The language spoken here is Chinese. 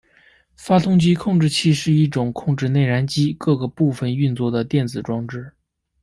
发动机控制器是一种控制内燃机各个部分运作的电子装置。